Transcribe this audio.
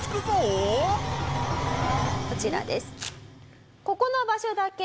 こちらです。